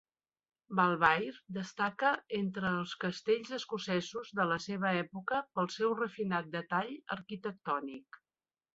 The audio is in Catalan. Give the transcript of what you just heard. Balvaird destaca entre els castells escocesos de la seva època pel seu refinat detall arquitectònic.